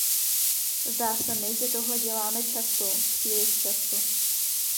Zdá se mi, že tohle děláme často, příliš často.